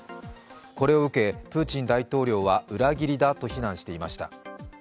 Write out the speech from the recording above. これを受け、プーチン大統領は裏切りだと非難していました。